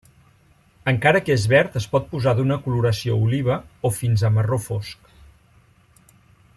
Encara que és verd es pot posar d'una coloració oliva o fins a marró fosc.